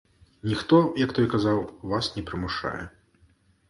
Ніхто, як той казаў, вас не прымушае.